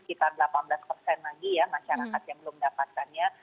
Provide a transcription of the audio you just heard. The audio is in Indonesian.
jadi sekitar delapan belas lagi ya masyarakat yang belum mendapatkannya